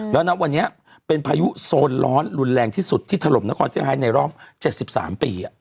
ณวันนี้เป็นพายุโซนร้อนรุนแรงที่สุดที่ถล่มนครเซี่ไฮในรอบ๗๓ปี